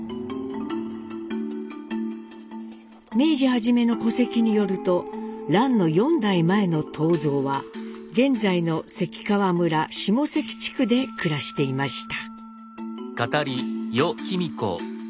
明治初めの戸籍によると蘭の４代前の東蔵は現在の関川村下関地区で暮らしていました。